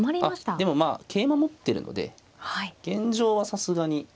あっでもまあ桂馬持ってるので現状はさすがに。